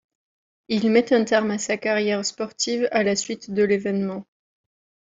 Il met un terme à sa carrière sportive à la suite de l'événement.